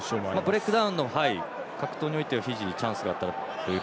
ブレイクダウンの獲得においてはフィジーにチャンスがあったなという。